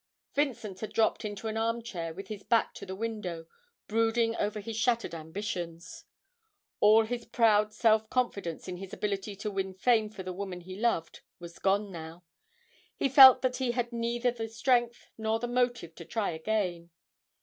Vincent had dropped into an arm chair with his back to the window, brooding over his shattered ambitions; all his proud self confidence in his ability to win fame for the woman he loved was gone now; he felt that he had neither the strength nor the motive to try again.